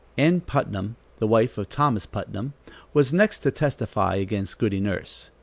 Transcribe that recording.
Ann Putnam, the wife of Thomas Putnam, was next to testify against Goody Nurse.